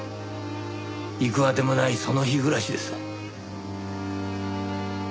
行く当てもないその日暮らしです。